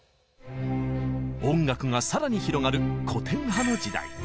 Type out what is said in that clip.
音楽がさらに広がる古典派の時代。